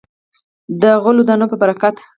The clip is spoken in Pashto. د غلو دانو په برکت.